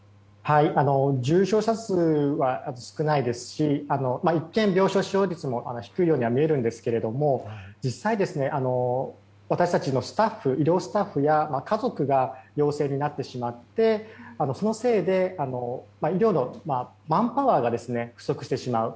重症者数は少ないですし一見、病床使用率も低いようには見えるんですが実際、私たちの医療スタッフや家族が陽性になってしまってそのせいで医療のマンパワーが不足してしまう。